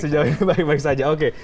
sejauh ini baik baik saja oke